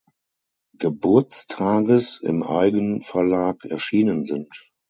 Geburtstages im Eigenverlag erschienen sind.